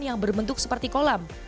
yang berbentuk seperti kolam